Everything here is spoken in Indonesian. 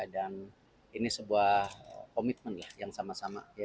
dan ini sebuah komitmen yang sama sama